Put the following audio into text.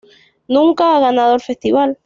Nunca ha ganado el Festival.